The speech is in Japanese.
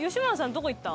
どこ行った？